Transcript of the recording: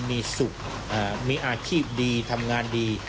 มีสุขมีอาชีพดีทำงานดี